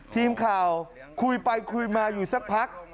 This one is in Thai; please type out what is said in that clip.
ทีมข่าวคุยไปคุยมาอยู่สักพัก